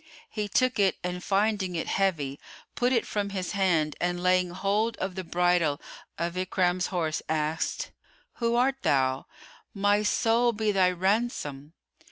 He took it and finding it heavy put it from his hand and laying hold of the bridle of Ikrimah's horse, asked, "Who art thou? My soul be thy ransom!"